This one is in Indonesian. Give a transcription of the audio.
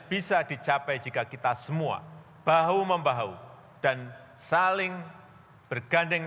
di dalam perjalanan kembali ke bagian terbaik